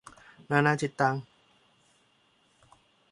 นานาจิตตัง